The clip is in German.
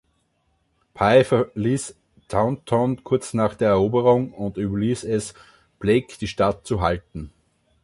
Pye verließ Taunton kurz nach der Eroberung und überließ es Blake, die Stadt zu halten.